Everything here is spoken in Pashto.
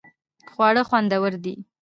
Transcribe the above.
خواړه خوندور دې